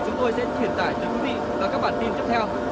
cảm ơn các bạn đã theo dõi và hẹn gặp lại